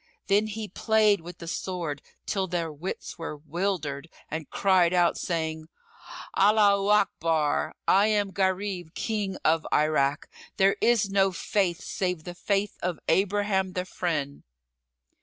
Then he played[FN#38] with the sword till their wits were wildered, and cried out, saying, "Allaho Akbar! I am Gharib, King of Irak. There is no Faith save the Faith of Abraham the Friend!"